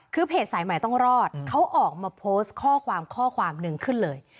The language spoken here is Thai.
คือเพจสายใหม่ต้องรอดเขาออกมาโพสต์ข้อความข้อความหนึ่งขึ้นเลย